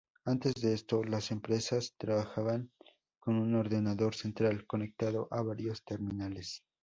Antes de esto, las empresas trabajaban con un ordenador central conectado a varios terminales.